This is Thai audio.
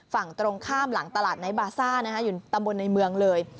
ฝั่งตรงข้ามหลังตลาดไนท์บาซ่าอยู่ตำบลในเมืองเลย